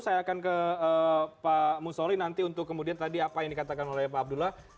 saya akan ke pak musoli nanti untuk kemudian tadi apa yang dikatakan oleh pak abdullah